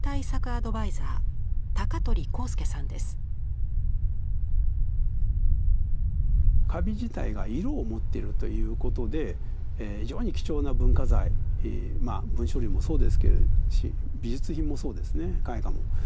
アドバイザーカビ自体が色を持ってるということで非常に貴重な文化財文書類もそうですし美術品もそうですね絵画も。